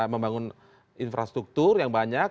membangun infrastruktur yang banyak